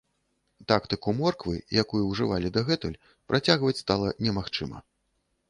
Тактыку морквы, якую ўжывалі дагэтуль, працягваць стала немагчыма.